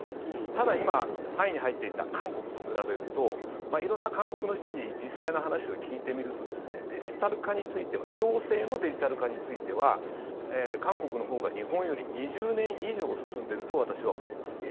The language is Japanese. ただ、今、３位に入っていた韓国と比べると色んな韓国の人に実際の話を聞いてみるとデジタル化については行政のデジタル化については韓国のほうが日本より２０年以上進んでいるとへえ。